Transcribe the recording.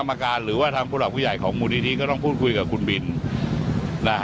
กรรมการหรือว่าทางผู้หลักผู้ใหญ่ของมูลนิธิก็ต้องพูดคุยกับคุณบินนะฮะ